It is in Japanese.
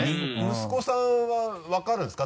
息子さんは分かるんですか？